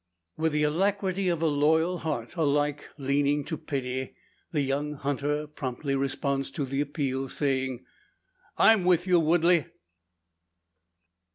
With the alacrity of a loyal heart, alike leaning to pity, the young hunter promptly responds to the appeal, saying: "I'm with you, Woodley!"